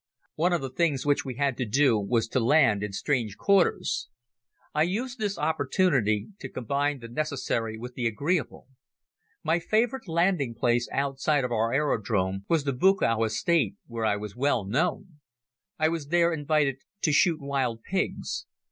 One of the things which we had to do was to land in strange quarters. I used the opportunity to combine the necessary with the agreeable. My favorable landing place outside of our aerodrome was the Buchow Estate where I was well known. I was there invited to shoot wild pigs.